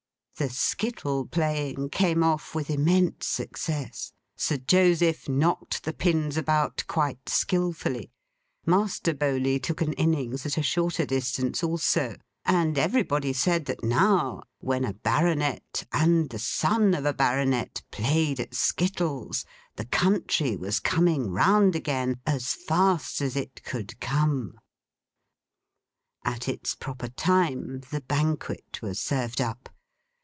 The skittle playing came off with immense success. Sir Joseph knocked the pins about quite skilfully; Master Bowley took an innings at a shorter distance also; and everybody said that now, when a Baronet and the Son of a Baronet played at skittles, the country was coming round again, as fast as it could come. At its proper time, the Banquet was served up.